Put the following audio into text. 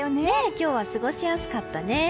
今日は過ごしやすかったね。